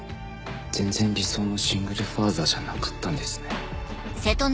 全然理想のシングルファーザーじゃなかったんですね。